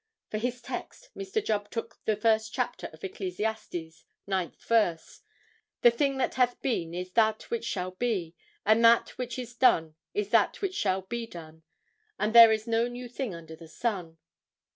For his text, Mr. Jubb took the first chapter of Ecclesiastes, ninth verse: "The thing that hath been is that which shall be; and that which is done is that which shall be done; and there is no new thing under the sun."